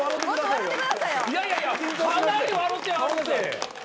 いやいやいやかなり笑てはるって。